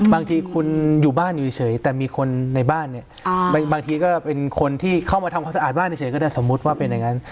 บางทีคุณอยู่บ้านอยู่เฉยแต่มีคนในบ้านเนี่ยบางทีก็เป็นคนที่เข้ามาทำความสะอาดบ้านเฉยก็ได้สมมุติว่าเป็นอย่างนั้น